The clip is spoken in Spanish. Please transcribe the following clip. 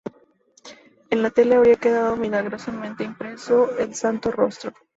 En la tela habría quedado milagrosamente impreso el Santo Rostro.